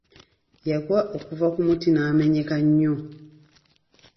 Yagwa okuva ku muti n'amenyeka nnyo.